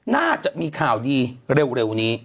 น่าจะมีข่าวดีเร็วนี้